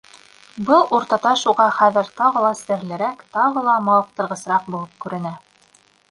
Был Уртаташ уға хәҙер тағы ла серлерәк, тағы ла мауыҡтырғысыраҡ булып күренә.